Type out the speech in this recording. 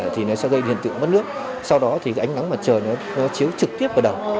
thì nó sẽ gây hiện tượng mất nước sau đó thì ánh nắng mặt trời nó chiếu trực tiếp vào đầu